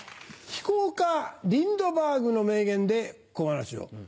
飛行家リンドバーグの名言で小噺を。